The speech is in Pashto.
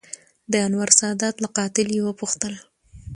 دانور سادات له قاتل یې وپوښتل